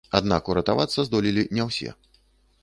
Аднак уратавацца здолелі не ўсе.